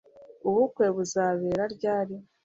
Ubukwe buzabera ryari